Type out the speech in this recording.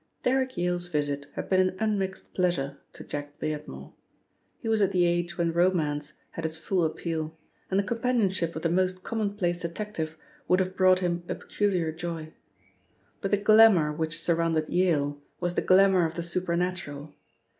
Derrick Yale's visit had been an unmixed pleasure to Jack Beardmore. He was at the age when romance had its full appeal and the companionship of the most commonplace detective would have brought him a peculiar joy. But the glamour which surrounded Yale was the glamour of the supernatural.